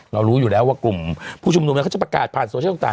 เรารู้อยู่แล้วว่ากลุ่มผู้ชุบนมจะประกาศผ่านโยคสวิสเชียลต่าง